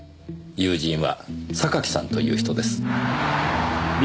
友人は榊さんという人です。